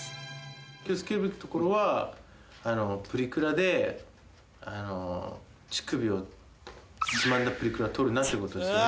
気をつけるべきところはプリクラで乳首をつまんだプリクラは撮るなっていう事ですね。